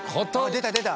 出た出た！